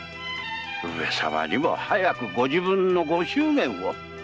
上様にも早くご自分のご祝言を。